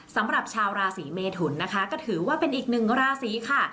สำหรับชาวราศีเมทุนนะคะก็ถือว่าเป็นอีกหนึ่งราศีค่ะ